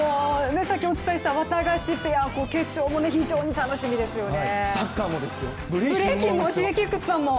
さっきお伝えした綿菓子ペア決勝も非常に楽しみですよね。